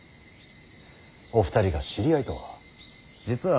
お二人が知り合いとは。